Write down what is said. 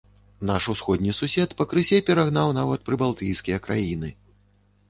Наш усходні сусед пакрысе перагнаў нават прыбалтыйскія краіны.